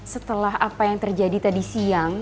setelah apa yang terjadi tadi siang